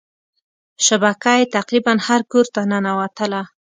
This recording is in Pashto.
شبکه یې تقريبا هر کورته ننوتله.